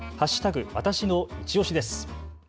わたしのいちオシです。